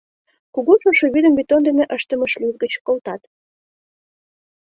Кугу шошо вӱдым бетон дене ыштыме шлюз гыч колтат.